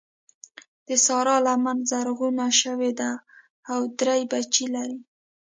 د سارا لمن زرغونه شوې ده او درې بچي لري.